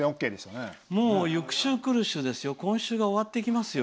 もう、「ゆく週くる週」ですよ。